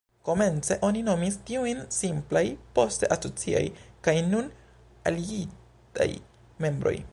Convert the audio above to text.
Komence oni nomis tiujn "simplaj", poste "asociaj" kaj nun "aligitaj" membroj.